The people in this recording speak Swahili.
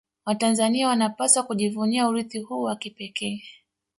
watanzania wanapaswa kujivunia urithi huu wa kipekee